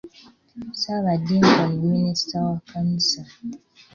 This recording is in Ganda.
Ssabadinkoni minisita wa kkanisa.